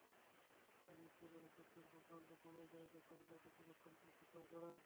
Loud স্পিকারের শব্দের কম্পাংক কমে যায়, যখন তা পর্যবেক্ষককে অতিক্রম করে।